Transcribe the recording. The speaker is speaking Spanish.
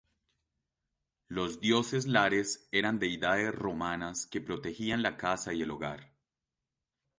Los dioses lares eran deidades romanas que protegían la casa y el hogar.